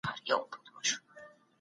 ځيني توصيې ميرمني ته متوجه دي.